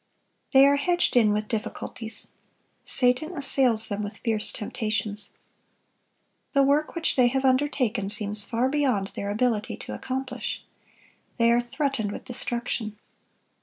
They are hedged in with difficulties. Satan assails them with fierce temptations. The work which they have undertaken seems far beyond their ability to accomplish. They are threatened with destruction.